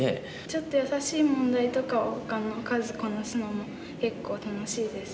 ちょっとやさしい問題とかを数こなすのも結構楽しいです。